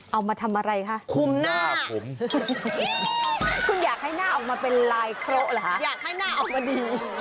เอามาทำอะไรคะคุมหน้าผมฮั่ยฮิ่